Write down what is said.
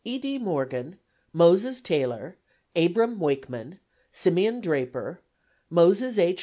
E. D. Morgan, Moses Taylor, Abram Wakeman, Simeon Draper, Moses H.